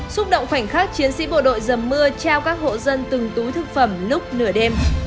xúc động khoảnh khắc chiến sĩ bộ đội dầm mưa trao các hộ dân từng túi thực phẩm lúc nửa đêm